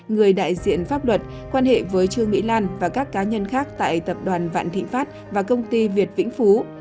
người đại diện pháp luật quan hệ với trương mỹ lan và các cá nhân khác tại tập đoàn vạn thị pháp và công ty việt vĩnh phú